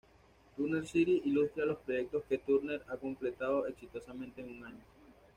Turner City ilustra los proyectos que Turner ha completado exitosamente en un año.